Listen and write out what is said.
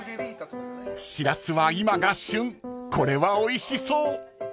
［シラスは今が旬これはおいしそう］